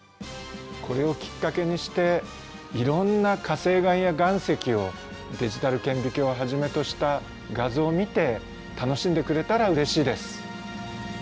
これをきっかけにしていろんな火成岩や岩石をデジタル顕微鏡をはじめとした画像を見て楽しんでくれたらうれしいです。